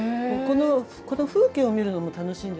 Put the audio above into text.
この風景を見るのも楽しいんですよ。